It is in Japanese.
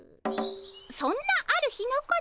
そんなある日のこと。